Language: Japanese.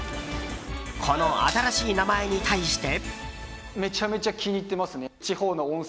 この新しい名前に対して。